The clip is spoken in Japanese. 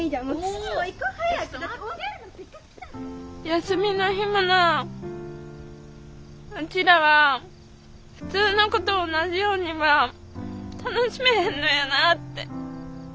休みの日もなあうちらは普通の子と同じようには楽しめへんのやなって。